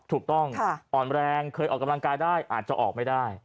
ถูกต้องอ่อนแรงเคยออกกำลังกายได้อาจจะออกไม่ได้